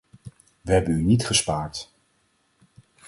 We hebben u niet gespaard.